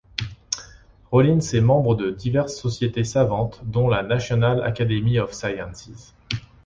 Rollins est membre de diverses sociétés savantes dont la National Academy of Sciences.